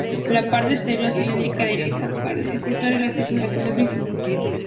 La parte exterior cilíndrica es lisa, para dificultar el acceso a las mismas.